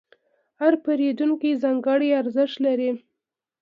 هر پیرودونکی ځانګړی ارزښت لري.